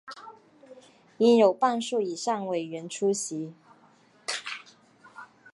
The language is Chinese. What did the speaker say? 应有半数以上委员出席